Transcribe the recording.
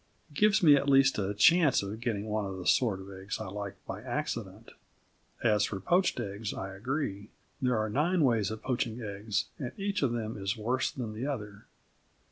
It gives me at least a chance of getting one of the sort of eggs I like by accident. As for poached eggs, I agree. There are nine ways of poaching eggs, and each of them is worse than the other.